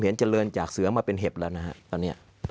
ผมเห็นเจริญจากเสือมาเป็นเห็บแล้วนะครับตอนเนี่ย